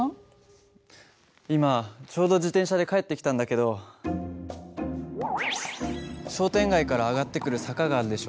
今ちょうど自転車で帰ってきたんだけど商店街から上がってくる坂があるでしょ。